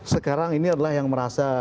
sekarang ini adalah yang merasa